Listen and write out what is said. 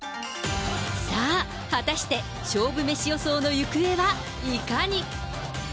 さあ、果たして勝負メシ予想の行方はいかに。